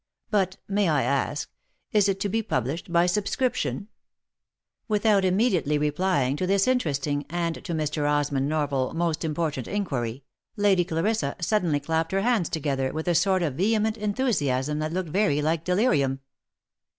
But — may I ask — Is it to be published by subscription V Without immediately replying to this interesting, and to Mr. Osmond Norval most important inquiry, Lady Clarissa suddenly clapped her hands together with a sort of vehement enthusiasm that looked very like delirium.